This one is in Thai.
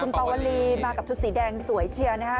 คุณปาวลีมากับชุดสีแดงสวยเชียร์นะฮะ